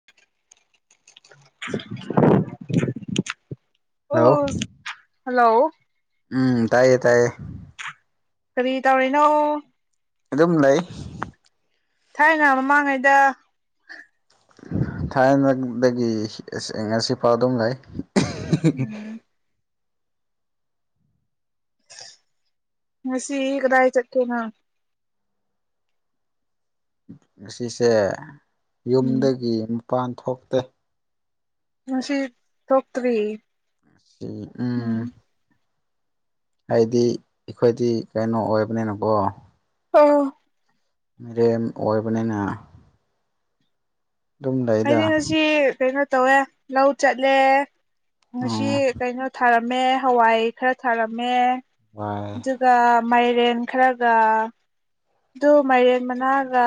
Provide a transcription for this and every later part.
[unintelligible] ꯍꯥꯜꯂꯣ ꯑꯣ ꯍꯜꯂꯣ ꯎꯝ ꯇꯥꯏꯌꯦ ꯇꯥꯏꯌꯦ ꯀꯔꯤ ꯇꯧꯔꯤꯅꯣ ꯑꯗꯨꯝ ꯂꯩ ꯊꯥꯏꯅ ꯃꯃꯥꯡꯉꯩꯗ ꯊꯥꯏꯅꯅꯗꯒꯤ ꯑ ꯉꯁꯤꯐꯥꯎ ꯑꯗꯨꯝ ꯂꯩ ꯎꯝ ꯉꯁꯤ ꯀꯗꯥꯏ ꯆꯠꯀꯦ ꯅꯪ ꯉꯁꯤꯁꯦ ꯎꯝ ꯌꯨꯝꯗꯒꯤ ꯃꯄꯥꯟ ꯊꯣꯛꯇꯦ ꯉꯁꯤ ꯊꯣꯛꯇ꯭ꯔꯤ ꯎꯝ ꯍꯥꯏꯗꯤ ꯑꯩꯈꯣꯏꯗꯤ ꯀꯩꯅꯣ ꯑꯣꯏꯕꯅꯤꯅ ꯀꯣ ꯑꯥ ꯔꯦꯟ ꯑꯣꯏꯕꯅꯤꯅ ꯑꯗꯨꯝ ꯂꯩꯗ ꯑꯩꯗꯤ ꯉꯁꯤ ꯀꯩꯅꯣ ꯇꯧꯋꯦ ꯂꯧ ꯆꯠꯂꯦ ꯉꯁꯤ ꯎꯝ ꯀꯩꯅꯣ ꯊꯥꯔꯞ ꯃꯦ ꯍꯋꯥꯏ ꯈꯔ ꯊꯥꯔꯝꯃꯦ ꯋꯥꯏꯌꯦ ꯆꯥ꯬꯬ꯃꯥꯏꯔꯦꯟ ꯈꯔꯒ ꯑꯗꯨ ꯃꯥꯏꯔꯦꯟ ꯃꯅꯥꯒ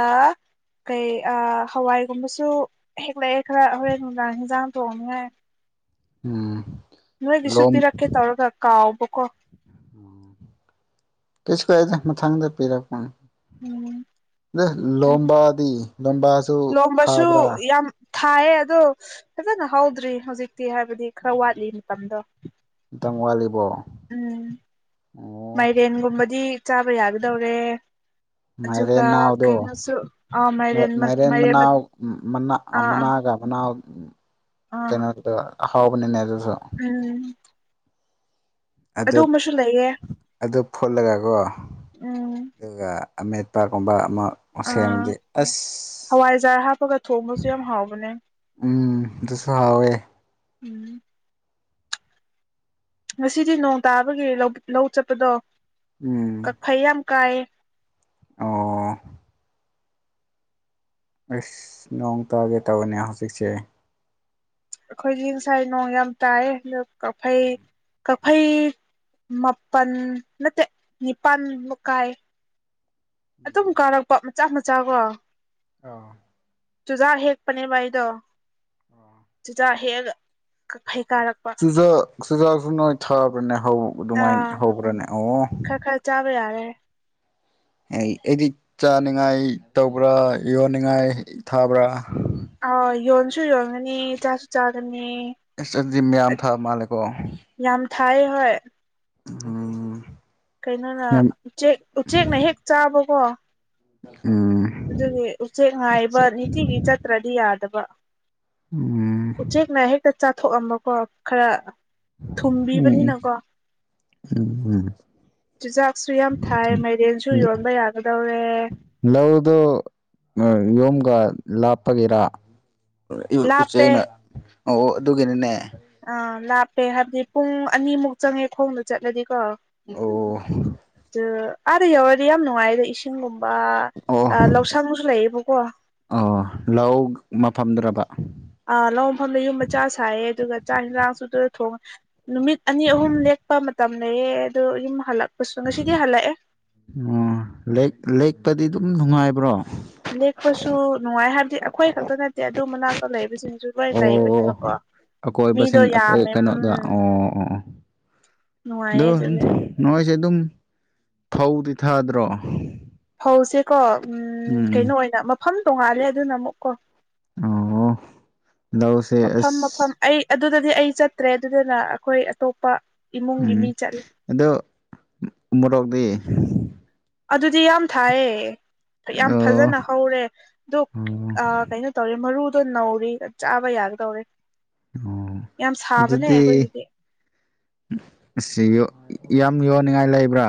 ꯀꯩ ꯑꯥ ꯍꯋꯥꯏꯒꯨꯝꯕꯁꯨ ꯍꯦꯛ ꯂꯛꯑꯦ ꯈꯔ ꯍꯣꯔꯦꯟ ꯅꯨꯡꯗꯥꯡ ꯏꯟꯖꯥꯡ ꯊꯣꯡꯅꯤꯡꯉꯥꯏ ꯎꯝ ꯅꯣꯏꯒꯤꯁꯨ ꯂꯣꯝ ꯄꯤꯔꯛꯀꯦ ꯇꯧꯔꯒ ꯀꯥꯎꯕ ꯀꯣ ꯀꯩꯁꯨ ꯀꯥꯏꯗꯦ ꯃꯊꯪꯗ ꯄꯤꯔꯛꯄ ꯎꯝ ꯂꯣꯝꯕꯥꯗꯤ ꯂꯣꯝꯕꯥꯁꯤ ꯂꯣꯝꯕꯁꯨ ꯌꯥꯝ ꯊꯥꯏꯌꯦ ꯑꯗꯣ ꯐꯥꯖꯅ ꯍꯧꯗ꯭ꯔꯤ ꯍꯧꯖꯤꯛꯇꯤ ꯍꯥꯏꯕꯗꯤ ꯈꯔ ꯋꯥꯠꯂꯤ ꯃꯇꯝꯗꯣ ꯃꯇꯝ ꯋꯥꯠꯂꯤꯕꯣ ꯎꯝ ꯑꯣ ꯃꯥꯏꯔꯦꯟꯒꯨꯝꯕꯗꯤ ꯆꯥꯕ ꯌꯥꯒꯗꯧꯔꯦ ꯑꯗꯨꯒ ꯃꯥꯏꯔꯦꯟ ꯅꯥꯎꯗꯣ ꯀꯩꯅꯣꯁꯨ ꯑ ꯃꯥꯏꯔꯦꯟ ꯑꯥ ꯃꯅꯥꯎ ꯃꯅꯥ ꯑꯥ ꯃꯅꯥꯒ ꯃꯅꯥꯎ ꯑꯥ ꯀꯩꯅꯣꯗꯨ ꯍꯥꯎꯕꯅꯤꯅꯦ ꯑꯗꯨꯁꯨ ꯎꯝ ꯑꯗꯨ ꯑꯗꯨꯝꯕꯁꯨ ꯂꯩꯌꯦ ꯑꯗꯨ ꯐꯨꯠꯂꯒꯀꯣ ꯎꯝ ꯑꯗꯨꯒ ꯑꯃꯦꯠꯄꯥꯀꯨꯝꯕ ꯑꯃꯥ ꯑꯥ ꯍꯋꯥꯏꯖꯥꯔ ꯍꯥꯞꯄꯒ ꯊꯣꯡꯕꯁꯨ ꯌꯥꯝ ꯍꯥꯎꯕꯅꯦ ꯎꯝ ꯑꯗꯨꯁꯨ ꯍꯥꯎꯋꯦ ꯎꯝ ꯉꯁꯤꯗꯤ ꯅꯣꯡ ꯇꯥꯕꯒꯤ ꯂꯧ ꯆꯠꯄꯗꯣ ꯎꯝ ꯀꯛꯐꯩ ꯌꯥꯝ ꯀꯥꯏꯌꯦ ꯑꯣ ꯑꯁ ꯅꯣꯡ ꯇꯥꯒꯦ ꯇꯧꯋꯤꯅꯦ ꯍꯧꯖꯤꯛꯁꯦ ꯑꯩꯈꯣꯏꯗꯤ ꯉꯁꯥꯏ ꯅꯣꯡ ꯌꯥꯝ ꯇꯥꯏꯌꯦ ꯀꯛꯐꯩ ꯀꯛꯐꯩ ꯃꯥꯄꯜ ꯅꯠꯇꯦ ꯅꯤꯄꯥꯜ ꯃꯨꯛ ꯀꯥꯌꯦ ꯑꯗꯨꯝ ꯀꯥꯔꯛꯄ ꯃꯆꯥ ꯃꯆꯥ ꯀꯣ ꯑꯥ ꯆꯨꯖꯥꯛ ꯍꯦꯛꯄꯅꯦꯕ ꯑꯩꯗꯣ ꯆꯨꯖꯥꯛ ꯍꯦꯛꯑꯒ ꯀꯥꯛꯐꯩ ꯀꯥꯔꯛꯄ ꯆꯨꯖꯥꯛ ꯆꯨꯖꯥꯛꯁꯨ ꯅꯣꯏ ꯊꯥꯕ꯭ꯔꯥꯅꯦ ꯍꯧ ꯑꯥ ꯑꯗꯨꯃꯥꯏꯅ ꯍꯧꯕ꯭ꯔꯅꯦ ꯑꯣ ꯈꯔ ꯈꯔ ꯆꯥꯕ ꯌꯥꯔꯦ ꯑꯩꯗꯤ ꯆꯥꯅꯤꯡꯉꯥꯏ ꯇꯧꯕ꯭ꯔꯥ ꯌꯣꯟꯅꯤꯡꯉꯥꯏ ꯊꯥꯕ꯭ꯔꯥ ꯑꯥ ꯌꯣꯟꯁꯨ ꯌꯣꯟꯒꯅꯤ ꯆꯥꯁꯨ ꯆꯥꯒꯅꯤ ꯑꯁ ꯑꯗꯨꯗꯤ ꯃꯌꯥꯝ ꯊꯥꯕ ꯃꯥꯜꯂꯦ ꯀꯣ ꯌꯥꯝ ꯊꯥꯏꯌ‌ꯦ ꯍꯣꯏ ꯎꯝ ꯀꯩꯅꯣꯅꯥ ꯌꯥꯝ ꯎꯆꯦꯛ ꯎꯆꯦꯛꯅ ꯍꯦꯛ ꯆꯥꯕꯀꯣ ꯎꯝ ꯑꯗꯨꯒꯤ ꯎꯆꯦꯛ ꯉꯥꯏꯕ ꯅꯤꯇꯤꯒꯤ ꯆꯠꯇ꯭ꯔꯗꯤ ꯌꯥꯗꯕ ꯎꯝ ꯎꯆꯦꯛꯅ ꯍꯦꯛꯇ ꯆꯥꯊꯣꯛꯑꯝꯕꯀꯣ ꯈꯔ ꯎꯝ ꯊꯨꯝꯕꯤꯕꯅꯤꯅꯀꯣ ꯎꯝꯝ ꯆꯤꯖꯥꯛꯁꯨ ꯌꯥꯝ ꯊꯥꯏ ꯃꯥꯏꯔꯦꯟꯁꯨ ꯌꯣꯟꯕ ꯌꯥꯒꯗꯧꯔꯦ ꯂꯧꯗꯨ ꯌꯣꯝꯒ ꯂꯥꯞꯄꯒꯤꯔꯥ ꯂꯥꯞꯄꯦ ꯎꯆꯦꯛꯩꯅ ꯑꯣ ꯑꯗꯨꯒꯤꯅꯤꯅꯦ ꯑꯥ ꯂꯥꯞꯄꯦ ꯍꯥꯏꯕꯗꯤ ꯄꯨꯡ ꯑꯅꯤꯃꯨꯛ ꯆꯪꯉꯦ ꯈꯣꯡꯅꯥ ꯆꯠꯂꯗꯤꯀꯣ ꯑꯣ ꯑꯗꯨ ꯑꯥꯗ ꯌꯧꯔꯗꯤ ꯌꯥꯝ ꯅꯨꯡꯉꯥꯏ ꯑꯗꯨ ꯏꯁꯤꯡꯒꯨꯝꯕ ꯑꯣ ꯂꯧꯁꯪꯒꯁꯨ ꯂꯩꯌꯦꯕꯀꯣ ꯑꯣ ꯂꯧ ꯃꯐꯝꯗ꯭ꯔꯕꯥ ꯑꯥ ꯂꯧ ꯃꯐꯝꯗ ꯌꯨꯝ ꯃꯆꯥ ꯁꯥꯏꯌꯦ ꯑꯗꯨꯒ ꯆꯥꯛ ꯌꯦꯟꯖꯥꯡꯁꯨ ꯑꯗꯨꯗꯥ ꯊꯣꯡꯉꯥ ꯅꯨꯃꯤꯠ ꯑꯅꯤ ꯑꯍꯨꯝ ꯂꯦꯛꯄ ꯃꯇꯝ ꯂꯩꯌꯦ ꯑꯗꯣ ꯌꯨꯝ ꯍꯜꯂꯛꯄꯁꯨ ꯉꯁꯤꯗꯤ ꯍꯜꯂꯛꯑꯦ ꯑꯣ ꯂ‌ꯦꯛ ꯂꯦꯛꯄꯗꯤ ꯑꯗꯨꯝ ꯅꯨꯡꯉꯥꯏꯕ꯭ꯔꯣ ꯂꯦꯛꯄꯁꯨ ꯅꯨꯡꯉꯥꯏ ꯍꯥꯏꯕꯗꯤ ꯑꯩꯈꯣꯏ ꯈꯛꯇꯥ ꯅꯠꯇꯦ ꯑꯗꯨ ꯃꯅꯥꯛꯇ ꯂꯩꯕꯁꯤꯡꯁꯨ ꯂꯣꯏ ꯑꯣ ꯂꯩꯕꯅꯤꯕꯀꯣ ꯑꯀꯣꯏꯕꯁꯤꯡ ꯑꯣꯏ ꯀꯩꯅꯣꯗ ꯑꯣ ꯑꯣ ꯅꯨꯡꯉꯥꯏꯌꯦ ꯑꯗꯨ ꯑꯗꯨꯒꯤ ꯅꯣꯏꯁꯦ ꯑꯗꯨꯝ ꯐꯧꯗꯤ ꯊꯥꯗ꯭ꯔꯣ ꯐꯧꯁꯦ ꯀꯣ ꯎꯝ ꯀꯩꯅꯣ ꯑꯣꯏꯅ ꯃꯐꯝ ꯇꯣꯡꯉꯥꯜꯂꯦ ꯑꯗꯨꯅ ꯑꯃꯨꯛ ꯀꯣ ꯑꯣ ꯂꯧꯁꯦ ꯃꯐꯝ ꯑꯁ ꯃꯐꯝ ꯑꯩ ꯑꯗꯨꯗꯗꯤ ꯑꯩ ꯆꯠꯇ꯭ꯔꯦ ꯑꯗꯨꯗꯨꯅ ꯑꯩꯈꯣꯏ ꯑꯇꯣꯞꯄ ꯏꯃꯨꯡꯒꯤ ꯎꯝ ꯃꯤ ꯆꯠꯂꯦ ꯑꯗꫭ ꯃꯣꯔꯣꯛꯇꯤ ꯑꯗꯨꯗꯤ ꯌꯥꯝ ꯊꯥꯏꯌꯦ ꯌꯥꯝ ꯑꯗꯣ ꯐꯖꯅ ꯍꯧꯔꯦ ꯑꯗꯨ ꯑꯣ ꯑꯥ ꯀꯩꯅꯣ ꯇꯧꯔꯤ ꯃꯔꯨꯗꯣ ꯅꯧꯔꯤ ꯆꯥꯕ ꯌꯥꯒꯗꯧꯔꯦ ꯑꯣ ꯌꯥꯝ ꯁꯥꯕꯅꯦ ꯑꯩꯈꯣꯏꯒꯤꯗꯤ ꯁꯤꯌꯨ ꯌꯥꯝ ꯌꯣꯟꯅꯤꯡꯉꯥꯏ ꯂꯩꯕ꯭ꯔꯥ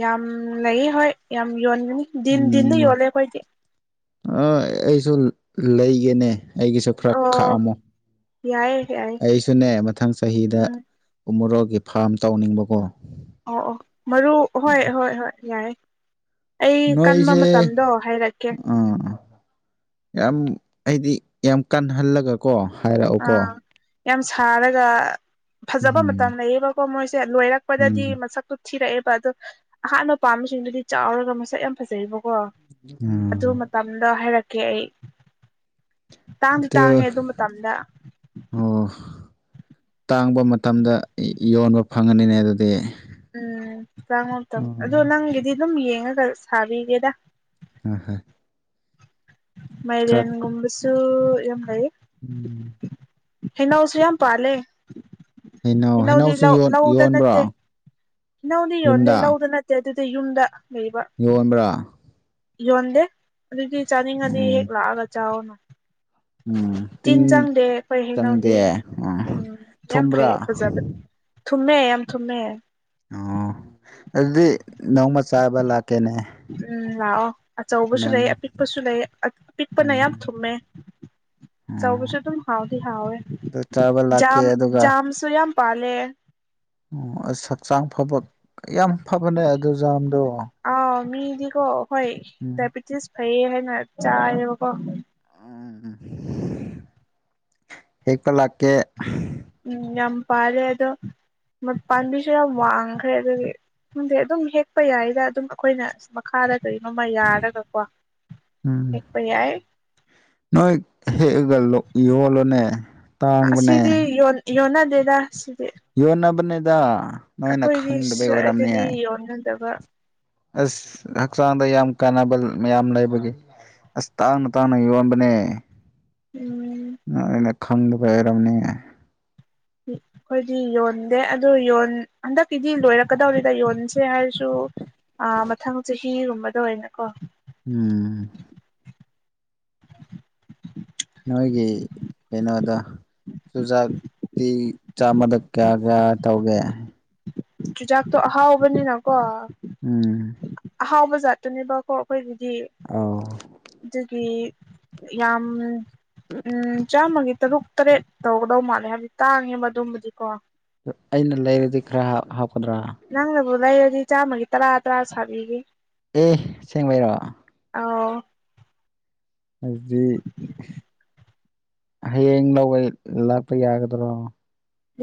ꯌꯥꯝ ꯂꯩ ꯍꯣꯏ ꯌꯥꯝ ꯌꯣꯟꯒꯅꯤ ꯗꯤꯟ ꯗꯤꯟꯗꯥ ꯌꯣꯜꯂꯦ ꯑꯩꯈꯣꯏꯗꯤ ꯑꯥ ꯑꯩꯁꯨ ꯂꯩꯒꯦꯅꯦ ꯑꯩꯒꯤꯁꯨ ꯈꯔ ꯑꯣ ꯈꯥꯛꯑꯝꯃꯣ ꯌꯥꯏꯌꯦ ꯌꯥꯏꯌꯦ ꯑꯩꯁꯨꯅꯦ ꯃꯊꯪ ꯆꯍꯤꯗꯥ ꯎꯝ ꯎꯃꯣꯔꯣꯛꯒꯤ ꯐꯥꯔꯝ ꯇꯧꯅꯤꯡꯕꯀꯣ ꯑꯣ ꯑꯣ ꯃꯔꯨ ꯍꯣꯏ ꯍꯣꯏ ꯍꯣꯏ ꯌꯥꯏꯌ‌ꯦ ꯑꯩ ꯀꯟꯕ ꯃꯇꯝꯗꯣ ꯍꯥꯏꯔꯛꯀꯦ ꯑꯥ ꯑꯥ ꯌꯥꯝ ꯑꯩꯗꯤ ꯌꯥꯝ ꯀꯟꯍꯜꯂꯒꯀꯣ ꯍꯥꯏꯔꯛꯎꯀꯣ ꯑꯥ ꯌꯥꯝ ꯁꯥꯔꯒ ꯐꯖꯕ ꯃꯇꯝ ꯎꯝ ꯂꯩꯌꯦꯕꯀꯣ ꯃꯣꯏꯁꯦ ꯂꯣꯏꯔꯛꯄꯗꯗꯤ ꯎꯝ ꯃꯁꯛꯇꯨ ꯊꯤꯔꯛꯑꯦꯕ ꯑꯗꯣ ꯑꯍꯥꯟꯕ ꯄꯥꯝꯕꯁꯤꯡꯗꯨꯗꯤ ꯆꯥꯎꯔꯒ ꯃꯁꯛ ꯌꯥꯝ ꯐꯖꯩꯕꯀꯣ ꯎꯝ ꯑꯗꯨ ꯃꯇꯝꯗꯥ ꯍꯥꯏꯔꯛꯀꯦ ꯑꯩ ꯇꯥꯡꯗꯤ ꯇꯥꯡꯉꯦ ꯑꯗꯣ ꯑꯗꯨ ꯃꯇꯝꯗ ꯑꯣ ꯇꯥꯡꯕ ꯃꯇꯝꯗ ꯌꯣꯟꯕ ꯐꯪꯉꯅꯤꯅꯦ ꯑꯗꯨꯗꯤ ꯎꯝ ꯆꯥꯃꯛꯇ [unintelligible] ꯑꯗꯨ ꯎꯝ ꯅꯪꯒꯤꯗꯤ ꯑꯗꯨꯝ ꯌꯦꯡꯉꯒ ꯁꯥꯕꯤꯒꯦꯗ ꯎꯝ ꯍꯣꯏ ꯈꯔ ꯃꯥꯏꯔꯦꯟꯒꯨꯝꯕꯁꯨ ꯌꯥꯝ ꯂꯩꯏ ꯎꯝ ꯍꯩꯅꯧꯁꯨ ꯌꯥꯝ ꯄꯥꯂꯦ꯫ ꯍꯩꯅꯧ ꯏꯩꯅꯧꯗꯤ ꯍꯩꯅꯧꯁꯨ ꯂꯧ ꯌꯣꯟ ꯂꯧꯗ ꯌꯣꯟꯕ꯭ꯔꯣ ꯅꯠꯇꯦ ꯏꯩꯅꯧꯗꯤ ꯌꯣꯟꯗꯦ ꯌꯨꯝꯗ ꯂꯧꯗ ꯅꯠ ꯑꯗꯨꯗꯤ ꯌꯨꯝꯗ ꯂꯩꯕ ꯌꯣꯟꯕ꯭ꯔꯥ? ꯌꯣꯟꯗꯦ ꯑꯗꯨꯗꯤ ꯆꯥꯅꯤꯡꯉꯗꯤ ꯍꯦꯛ ꯎꯝ ꯂꯥꯛꯑꯒ ꯆꯥꯎꯅꯥ꯫ ꯇꯤꯟ ꯆꯪꯗꯦ ꯑꯩꯈꯣꯏ ꯍꯩꯩꯅꯧꯗꯤ ꯎꯝ ꯌꯥꯝ ꯐꯩ ꯊꯨꯝꯕ꯭ꯔꯥ ꯐꯖꯕꯅꯤ꯫ ꯊꯨꯝꯃꯦ ꯌꯥꯝ ꯊꯨꯝꯃꯦ꯫ ꯑꯣ ꯑꯗꯨꯗꯤ ꯅꯣꯡꯃ ꯆꯥꯕ ꯂꯥꯛꯀꯦꯅꯦ꯫ ꯎꯝ ꯂꯥꯛꯑꯣ ꯑꯆꯧꯕꯁꯨ ꯅꯪ ꯂꯩ ꯑꯄꯤꯛꯄꯁꯨ ꯂꯩ ꯑꯄꯤꯛꯄꯅ ꯌꯥꯝ ꯎꯝ ꯊꯨꯝꯃꯦ꯫ ꯎꯝ ꯆꯧꯕꯁꯨ ꯑꯗꯨꯝ ꯍꯥꯎꯗꯤ ꯍꯥꯎꯋꯦ ꯑꯗꯨ ꯆꯥꯕ ꯂꯥꯛꯀꯦ ꯖꯥꯝ ꯑꯗꯨꯒ ꯖꯥꯝꯁꯨ ꯌꯥꯝ ꯄꯥꯜꯂꯦ꯫ ꯑꯣ ꯑꯁ ꯍꯛꯆꯥꯡ ꯐꯕ ꯌꯥꯝ ꯐꯕꯅꯦ ꯑꯗꯨꯖꯥꯝꯗꯣ꯫ ꯑꯥꯎ ꯃꯤꯗꯤꯀꯣ ꯍꯣꯏ ꯗꯥꯏꯕꯤꯇꯤꯁ ꯐꯩꯌꯦ ꯍꯥꯏꯅ ꯆꯥꯏꯌꯦꯕꯀꯣ꯫ ꯎꯝ ꯎꯝ ꯎꯝ ꯍꯦꯛꯄ ꯂꯥꯛꯀꯦ꯫ ꯎꯝ ꯌꯥꯝ ꯄꯥꯜꯂꯦ ꯑꯗꯣ ꯄꯥꯝꯕꯤꯁꯨ ꯌꯥꯝ ꯋꯥꯡꯈ꯭ꯔꯦ ꯑꯗꯨꯒꯤ ꯑꯗꯨꯝ ꯍꯦꯛꯄ ꯌꯥꯏꯗ ꯑꯗꯨꯝ ꯑꯈꯣꯏꯅ ꯃꯈꯥꯗ ꯀꯩꯅꯣꯝꯃ ꯌꯥꯔꯒꯀꯣ ꯎꯝ ꯍꯦꯛꯄ ꯌꯥꯏ ꯅꯣꯏ ꯍꯦꯛꯑꯒ ꯂꯣꯛ ꯌꯣꯜꯂꯣꯅꯦ ꯫ ꯁꯤꯗꯤ ꯌꯣꯟ ꯌꯣꯟꯅꯗꯦꯗ ꯁꯤꯗꯤ꯫ ꯌꯣꯟꯅꯕꯅꯦꯗ ꯅꯣꯏꯅ ꯑꯩꯈꯣꯏꯗꯤ ꯈꯪꯗꯕꯩ ꯁ ꯑꯣꯏꯔꯝꯅꯤ꯫ ꯑꯗꯨꯗꯤ ꯌꯣꯟꯅꯗꯕ ꯑꯁ ꯍꯛꯆꯥꯡꯗ ꯌꯥꯝ ꯀꯥꯟꯅꯕ ꯃꯌꯥꯝ ꯂꯩꯕꯒꯤ ꯑꯁ ꯇꯥꯡꯅ ꯇꯥꯡꯅ ꯌꯣꯟꯕꯅꯦ꯫ ꯎꯝ ꯅꯣꯏꯅ ꯈꯪꯗꯕꯩ ꯑꯣꯏꯔꯝꯅꯤ꯫ [unintelligible] ꯑꯈꯣꯏꯗꯤ ꯌꯣꯟꯗꯦ ꯑꯗꯨ ꯌꯣꯟ ꯍꯟꯗꯛꯀꯤꯗꯤ ꯂꯣꯏꯔꯛꯀꯗꯧꯔꯤꯗ ꯌꯣꯟꯁꯦ ꯍꯥꯏꯔꯁꯨ ꯑ ꯃꯊꯪ ꯆꯍꯤꯒꯨꯝꯕꯗ ꯑꯣꯏꯅꯀꯣ ꯎꯝ ꯅꯣꯏꯒꯤ ꯀꯩꯅꯣꯗ ꯆꯨꯖꯥꯛꯇꯤ ꯆꯥꯝꯃꯗꯛ ꯀꯌꯥ ꯀꯌꯥ ꯇꯧꯒꯦ? ꯆꯨꯖꯥꯛꯇꯣ ꯑꯍꯥꯎꯕꯅꯤꯅꯀꯣ ꯎꯝ ꯑꯍꯥꯎꯕ ꯖꯥꯠꯇꯨꯅꯦꯕꯀꯣ ꯑꯈꯣꯏꯒꯤꯗꯤ ꯑꯧ ꯑꯗꯨꯒꯤ ꯌꯥꯝ ꯎꯝ ꯆꯥꯝꯃꯒꯤ ꯇꯔꯨꯛ ꯇꯔꯦꯠ ꯇꯧꯒꯗꯧ ꯃꯥꯜꯂꯦ ꯍꯥꯏꯕꯗꯤ ꯇꯥꯡꯉꯦꯕ ꯑꯗꯨꯝꯕꯗꯤꯀꯣ꯫ ꯑꯩꯅ ꯂꯩꯔꯗꯤ ꯈꯔ ꯍꯥꯞꯀꯗ꯭ꯔꯥ? ꯅꯪꯅꯕꯨ ꯂꯩꯔꯗꯤ ꯆꯥꯝꯃꯒꯤ ꯇꯔꯥ ꯇꯔꯥ ꯁꯥꯕꯤꯒꯦ꯫ ꯑꯦ ꯁꯦꯡꯕꯩꯔꯣ? ꯑꯧ ꯑꯗꯨꯗꯤ ꯍꯌꯦꯡ ꯂꯧꯕ ꯂꯥꯛꯄ ꯌꯥꯒꯗ꯭ꯔꯣ?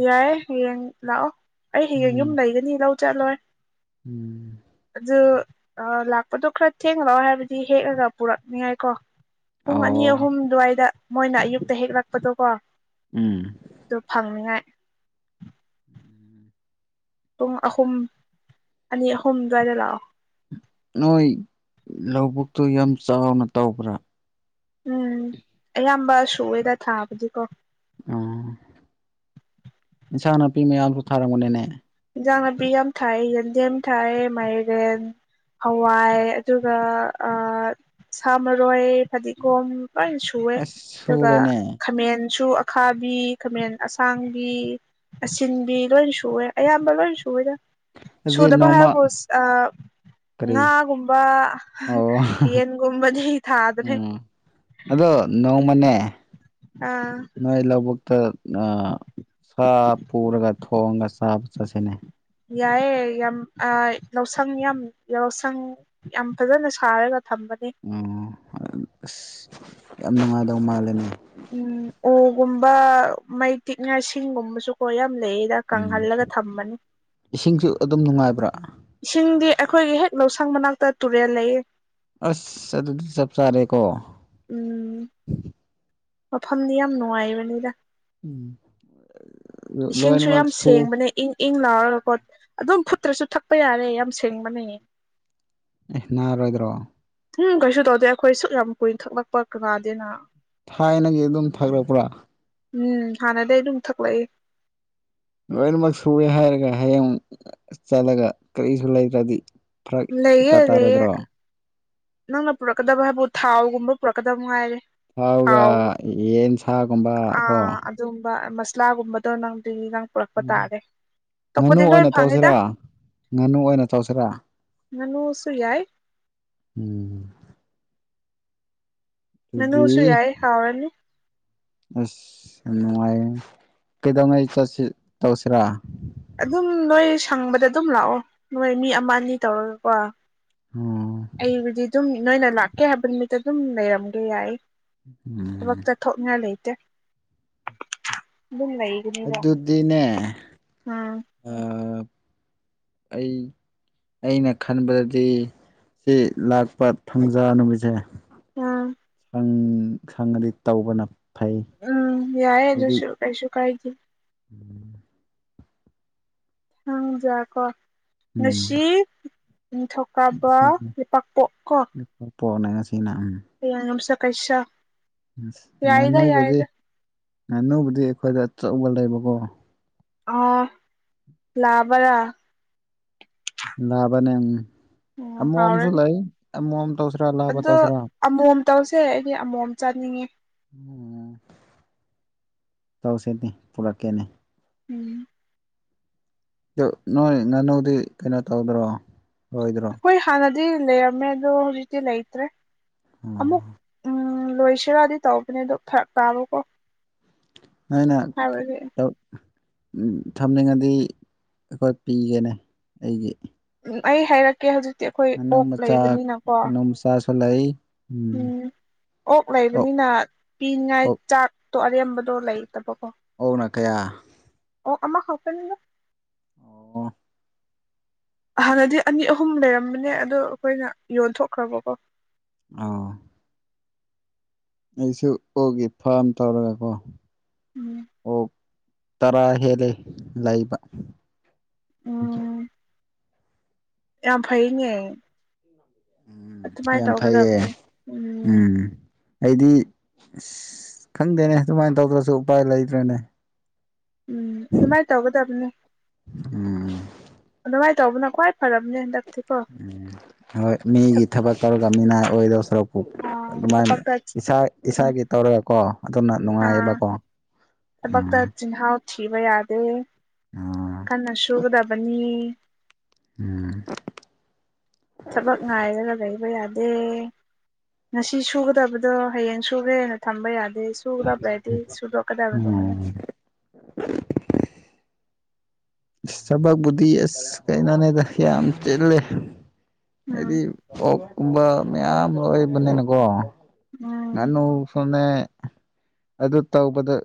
ꯌꯥꯏꯑꯦ ꯍꯌꯦꯡ ꯂꯥꯛꯑꯣ ꯑꯩ ꯍꯌꯦꯡ ꯌꯨꯝ ꯎꯝ ꯂꯩꯒꯅꯤ ꯂꯧ ꯆꯠꯂꯣꯏ꯫ ꯎꯝ ꯑꯗꯨ ꯂꯥꯛꯄꯗꯣ ꯈꯔ ꯊꯦꯡꯅ ꯂꯥꯛꯑꯣ ꯍꯥꯏꯕꯗꯤ ꯍꯦꯛꯂꯒ ꯄꯨꯔꯛꯅꯤꯉꯥꯏꯀꯣ꯫ ꯄꯨꯡ ꯑꯅꯤ ꯑꯣ ꯑꯍꯨꯝ ꯑꯗꯨꯋꯥꯏꯗ ꯃꯣꯏꯅ ꯑꯌꯨꯛꯇ ꯍꯦꯛꯂꯛꯄꯗꯣ ꯀꯣ꯫ ꯎꯝ ꯑꯗꯨꯣ ꯐꯪꯅꯤꯉꯥꯏ ꯄꯨꯡ ꯑꯍꯨꯝ ꯑꯅꯤ ꯑꯍꯨꯝ ꯑꯗꯨꯋꯥꯏꯗ ꯂꯥꯛꯑꯣ ꯅꯣꯏ ꯂꯧꯕꯨꯛꯇꯨ ꯌꯥꯝ ꯆꯥꯎꯅ ꯇꯧꯕ꯭ꯔꯥ ꯎꯝ ꯑꯌꯥꯝꯕ ꯁꯨꯑꯦꯗ ꯊꯥꯕꯗꯤꯀꯣ ꯑꯣ ꯏꯟꯁꯥꯡ ꯅꯥꯄꯤ ꯃꯌꯥꯝꯁꯨ ꯊꯥꯔꯝꯕꯅꯦꯅꯦ ꯏꯟꯖꯥꯡ ꯅꯥꯄꯤ ꯌꯥꯝ ꯊꯥꯏ ꯌꯦꯟꯗꯦꯝ ꯊꯥꯏ ꯃꯥꯏꯔꯦꯟ ꯍꯋꯥꯏ ꯑꯗꯨꯒ ꯁꯥ ꯃꯔꯣꯏ ꯐꯗꯤꯒꯣꯝ ꯂꯣꯏ ꯁꯨꯑꯦ ꯑꯁ ꯑꯗꯨꯒ ꯁꯨꯔꯦꯅꯦ ꯈꯥꯃꯦꯟꯁꯨ ꯈꯥꯕꯤ ꯈꯥꯃꯦꯟ ꯑꯁꯥꯡꯕꯤ ꯑꯁꯤꯟꯕꯤ ꯂꯣꯏꯅ ꯁꯨꯋꯦ ꯑꯌꯥꯝꯕ ꯂꯣꯏꯅ ꯁꯨꯋꯦꯗ ꯑꯗꯨꯗꯤ ꯁꯨꯗꯕ ꯅꯣꯡꯃ ꯍꯥꯏꯕꯨ ꯀꯔꯤ ꯉꯥꯒꯨꯝꯕ ꯑꯣ ꯌꯦꯟꯒꯨꯝꯕꯗꯤ ꯊꯥꯗ꯭ꯔꯦ ꯎꯝ ꯑꯗꯣ ꯅꯣꯡꯃꯅꯦ ꯑꯥ ꯅꯣꯏ ꯂꯧꯕꯨꯛꯇ ꯁꯥ ꯄꯨꯔꯒ ꯊꯣꯡꯉꯒ ꯆꯥꯕ ꯆꯠꯁꯤꯅꯦ ꯌꯥꯏꯑꯦ ꯌꯥꯝ ꯂꯧꯁꯪ ꯌꯥꯝ ꯂꯧꯁꯪ ꯌꯥꯝ ꯐꯖꯅ ꯁꯥꯔꯒ ꯊꯝꯕꯅꯦ ꯑꯣ ꯑꯁ ꯌꯥꯝ ꯅꯨꯡꯉꯥꯏꯗꯕ ꯃꯥꯜꯂꯦꯅꯦ ꯎꯝ ꯎꯒꯨꯝꯕ ꯃꯩ ꯇꯤꯛꯉꯥꯏ ꯁꯤꯡꯒꯨꯝꯕꯁꯨꯀꯣ ꯌꯥꯝ ꯂꯩꯌꯦ ꯎꯝ ꯏꯁꯤꯡꯁꯨ ꯑꯗꯨꯝ ꯅꯨꯡꯉꯥꯏꯕ꯭ꯔꯥ ꯏꯁꯤꯡꯗꯤ ꯑꯩꯈꯣꯏꯒꯤ ꯍꯦꯛ ꯂꯧꯁꯪ ꯃꯅꯥꯛꯇ ꯇꯨꯔꯦꯜ ꯂꯩꯌꯦ ꯑꯁ ꯑꯗꯨꯗꯤ ꯆꯞ ꯆꯥꯔꯦꯀꯣ ꯎꯝ ꯃꯐꯝꯗꯤ ꯌꯥꯝ ꯅꯨꯡꯉꯥꯏꯕꯅꯤꯗ ꯎꯝ ꯏꯁꯤꯡꯁꯨ ꯂꯣꯏꯅꯃꯛ ꯌꯥꯝ ꯁꯨ ꯁꯦꯡꯕꯅꯦ ꯏꯪ ꯏꯪ ꯂꯥꯎꯔꯒꯀꯣꯠ ꯑꯗꯨꯝ ꯐꯨꯠꯇ꯭ꯔꯁꯨ ꯊꯛꯄ ꯌꯥꯔꯦ ꯌꯥꯝ ꯁꯦꯡꯕꯅꯦꯌꯦ ꯑꯦ ꯅꯥꯔꯣꯏꯗ꯭ꯔꯣ ꯎꯝ ꯀꯩꯁꯨ ꯇꯧꯗꯦ ꯑꯩꯈꯣꯏ ꯁꯨꯛ ꯌꯥꯝ ꯀꯨꯏꯅ ꯊꯛꯂꯛꯄ ꯀꯅꯥꯗꯦꯅ ꯊꯥꯏꯅꯒꯤ ꯑꯗꯨꯝ ꯊꯥꯂꯛꯄ꯭ꯔꯥ ꯎꯝ ꯍꯥꯟꯅꯗꯒꯤ ꯑꯗꯨꯝ ꯊꯛꯂꯛꯏ ꯂꯣꯏꯅꯃꯛ ꯁꯨꯑꯦ ꯍꯥꯏꯔꯒ ꯍꯌꯦꯡ ꯆꯠꯂꯒ ꯀꯔꯤꯁꯨ ꯂꯩꯇ꯭ꯔꯗꯤ ꯐꯔꯛ ꯂꯩꯌꯦ ꯏꯇꯥ ꯂꯩꯌꯦ ꯇꯥꯔꯣꯏꯗ꯭ꯔꯣ ꯅꯪꯅ ꯄꯨꯔꯛꯀꯗꯕ ꯍꯥꯏꯕꯨ ꯊꯥꯎꯒꯨꯝꯕ ꯄꯨꯔꯛꯀꯗꯕ ꯉꯥꯏꯔꯦ ꯊꯥꯎꯒ ꯊꯥꯎ ꯌꯦꯟ ꯁꯥꯒꯨꯝꯕ ꯀꯣ ꯑꯗꯨꯒꯨꯝꯕ ꯃꯁꯂꯥꯒꯨꯝꯕꯗꯣ ꯅꯪꯗꯒꯤꯒꯥꯡ ꯄꯨꯔꯛꯄ ꯎꯝ ꯇꯥꯔꯦ ꯉꯥꯅꯨ ꯇꯈꯗꯤ ꯂꯣꯏ ꯑꯣꯏꯅ ꯐꯥꯉꯦꯗ ꯇꯧꯁꯤꯔꯥ ꯉꯥꯅꯨ ꯑꯣꯏꯅ ꯇꯧꯁꯤꯔꯥ ꯉꯥꯅꯨꯁꯨ ꯌꯥꯥꯏ ꯎꯝ ꯑꯗꯨꯗꯤ ꯉꯥꯅꯨꯁꯨ ꯌꯥꯏ ꯍꯥꯎꯔꯅꯤ ꯑꯁ ꯌꯥꯝ ꯅꯨꯡꯉꯥꯏꯌꯦ ꯀꯩꯗꯧꯅꯩ ꯆꯠꯁꯤ ꯇꯧꯁꯤꯔꯥ ꯑꯗꯨꯝ ꯅꯣꯏ ꯁꯪꯕꯗ ꯑꯗꯨꯝ ꯂꯥꯛꯑꯣ ꯅꯣꯏ ꯃꯤ ꯑꯃ ꯑꯅꯤ ꯇꯧꯔꯒꯀꯣ ꯑꯣꯝ ꯑꯩꯕꯨꯗꯤ ꯑꯗꯨꯝ ꯅꯣꯏꯅ ꯂꯥꯛꯀꯦ ꯍꯥꯏꯕ ꯅꯨꯃꯤꯠꯇ ꯑꯗꯨꯝ ꯂꯩꯔꯝꯒꯦ ꯌꯥꯏ ꯎꯝ ꯊꯣꯛꯅ ꯂꯩꯇꯦ ꯑꯗꯨꯝ ꯂꯩ ꯑꯗꯨꯗꯤꯅꯦ ꯑ ꯑꯩ ꯑꯩꯅ ꯈꯟꯕꯗꯗꯤ ꯁꯤ ꯂꯥꯛꯄ ꯊꯥꯡꯖꯥ ꯅꯨꯃꯤꯠꯁꯦ ꯑꯥ꯫ ꯎꯝ ꯈꯪꯉꯗꯤ ꯇꯧꯕꯅ ꯐꯩ ꯎꯝ ꯌꯥꯏ ꯑꯗꯨꯁꯨ ꯀꯩꯁꯨ ꯀꯥꯏꯗꯦ꯫ ꯎꯝ꯫ ꯊꯥꯡꯖꯀꯣ ꯎꯝ ꯉꯁꯤ ꯅꯤꯡꯊꯧ [unintelligible] ꯉꯁꯤꯅ ꯎꯝ꯫ ꯍꯌꯦꯡ ꯌꯨꯝꯁꯥ ꯀꯩꯁꯥ꯫ ꯑꯁ ꯉꯥꯅꯨꯕꯗꯤ ꯉꯥꯅꯧꯕꯗꯤ ꯑꯩꯈꯣꯏꯗ ꯑꯆꯧꯕ ꯂꯩꯕꯀꯣ꯫ ꯑꯥ ꯂꯥꯕꯔꯥ꯫ ꯂꯅꯥꯕꯅꯦ ꯎꯝ ꯎꯝ ꯑꯃꯣꯝꯁꯨ ꯍꯥꯎꯔꯅꯤ ꯂꯩ ꯑꯃꯣꯝ ꯇꯧꯁꯤꯔꯥ ꯂꯥ ꯑꯗꯣ ꯑꯃꯣꯝ ꯇꯧꯁꯦ ꯑꯩꯗꯤ ꯑꯃꯣꯝ ꯆꯥꯅꯤꯡꯉꯦ꯫ ꯎꯝ ꯇꯧꯁꯦꯅꯦ ꯄꯨꯔꯛꯀꯦꯅꯦ꯫ ꯎꯝ꯫ ꯑꯗꯨ ꯅꯣꯏ ꯉꯥꯅꯨꯗꯤ ꯀꯩꯅꯣ ꯇꯧꯗ꯭ꯔꯣ ꯂꯣꯏꯗ꯭ꯔꯣ꯫ ꯑꯩꯈꯣꯏ ꯍꯥꯟꯅꯗꯤ ꯂꯩꯔꯝꯃꯦ ꯑꯗꯣ ꯍꯧꯖꯤꯛꯇꯤ ꯂꯩꯇ꯭ꯔꯦ꯫ ꯑꯃꯨꯛ ꯎ ꯂꯣꯏꯁꯤꯔꯗꯤ ꯇꯧꯕꯧꯕꯅꯦ ꯑꯗꯣ ꯐꯔꯛ ꯇꯥꯕꯀꯣ꯫ ꯅꯣꯏꯅ ꯍꯥꯏꯕꯗꯤ ꯇꯧ ꯎ ꯊꯝꯅꯤꯡꯉꯗꯤ ꯑꯩꯈꯣꯏ ꯄꯤꯒꯦꯅꯦ ꯑꯩꯒꯤ꯫ ꯎꯝ ꯑꯩ ꯍꯥꯏꯔꯛꯀꯦ ꯍꯧꯖꯤꯛꯇꯤ ꯑꯩꯈꯣꯏ ꯑꯣꯛ ꯂꯩꯕꯅꯤꯅꯀꯣ꯫ ꯆꯥꯁꯨ ꯂꯩ ꯎꯝ꯫ ꯑꯣꯛ ꯂꯩꯕꯅꯤꯅ ꯄꯤꯅꯤꯡꯉꯥꯏ ꯑꯣꯛ ꯆꯥꯛꯇꯣ ꯑꯔꯦꯝꯕꯗꯣ ꯂꯩꯇꯕꯀꯣ꯫ ꯑꯣꯛꯅ ꯀꯌꯥ꯫ ꯑꯣꯛ ꯑꯃꯥ ꯈꯛꯇꯅꯤꯗ꯫ ꯑꯣ꯫ ꯍꯥꯟꯅꯗꯤ ꯑꯅꯤ ꯑꯍꯨꯝ ꯂꯩꯔꯝꯕꯅꯦ ꯑꯗꯣ ꯑꯩꯈꯣꯏꯅ ꯌꯣꯟꯊꯣꯛꯈ꯭ꯔꯕꯀꯣ꯫ ꯑꯣ꯫ ꯑꯩꯁꯨ ꯑꯣꯛꯒꯤ ꯐꯥꯝ ꯇꯧꯔꯒꯀꯣ ꯎꯝ ꯑꯣꯛ ꯇꯔꯥ ꯍꯦꯜꯂꯦ ꯂꯩꯕ꯫ ꯎꯝ ꯌꯥꯝ ꯐꯩꯅꯦ꯫ ꯎꯝ ꯑꯗꯨꯃꯥꯏꯅ ꯌꯥꯝ ꯐꯩꯌꯦ ꯇꯧꯒꯗꯕꯅꯦ ꯎꯝ꯫ ꯑꯩꯗꯤ ꯏꯁ ꯈꯪꯗꯦꯅꯦ ꯑꯗꯨꯃꯥꯏꯅ ꯇꯧꯗ꯭ꯔꯁꯨ ꯎꯄꯥꯏ ꯂꯩꯇ꯭ꯔꯦꯅꯦ꯫ ꯎꯝ ꯑꯗꯨꯃꯥꯏꯅ ꯇꯧꯒꯗꯕꯅꯦ ꯎꯝ ꯑꯗꯨꯃꯥꯏ ꯇꯧꯕꯅ ꯈ꯭ꯋꯥꯏ ꯐꯔꯕꯅꯦ ꯍꯟꯗꯛꯇꯤꯀꯣ꯫ ꯎꯝ ꯍꯣꯏ ꯃꯤꯒꯤ ꯊꯕꯛ ꯇꯧꯔꯒ ꯃꯤꯅꯥꯏ ꯑꯣꯏꯗꯧ ꯁꯔꯨꯛ ꯄꯨ ꯑꯗꯨꯃꯥꯏꯅ ꯊꯕꯛꯇ ꯏꯁꯥ ꯏꯁꯥꯒꯤ ꯇꯧꯔꯒꯀꯣ ꯑꯗꯨꯅ ꯅꯨꯡꯉꯥꯏꯌꯦꯕꯀꯣ꯫ ꯊꯕꯛꯇ ꯎꯝ ꯆꯤꯟꯍꯥꯎ ꯊꯤꯕ ꯌꯥꯗꯦ ꯎꯝ ꯀꯟꯅ ꯁꯨꯒꯗꯕꯅꯤ꯫ ꯎꯝ꯫ ꯊꯕꯛ ꯉꯥꯏꯔꯒ ꯂꯩꯕ ꯌꯥꯗꯦ꯫ ꯉꯁꯤ ꯁꯨꯒꯗꯕꯗꯣ ꯍꯌꯦꯡ ꯁꯨꯒꯦꯅ ꯊꯝꯕ ꯌꯥꯗꯦ ꯁꯨꯒꯗꯕ ꯂꯩꯗꯤ ꯁꯨꯗꯣꯛꯀꯗꯕꯅꯤ꯫ ꯎꯝ ꯏꯁ ꯊꯕꯛꯄꯨꯗꯤ ꯑꯁ ꯀꯩꯅꯣꯅꯦꯗ ꯌꯥꯝ ꯆꯤꯜꯂꯦ ꯍꯥꯏꯗꯤ ꯎꯝ ꯑꯣꯛ ꯀꯨꯝꯕ ꯃꯌꯥꯝ ꯂꯣꯏꯕꯅꯤꯅꯀꯣ꯫ ꯎꯝ ꯉꯥꯅꯨꯁꯨꯅꯦ ꯑꯗꯨ ꯇꯧꯕꯗꯨ